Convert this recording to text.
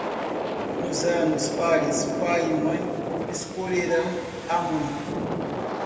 Nos anos pares, pai e mãe escolherão a mãe.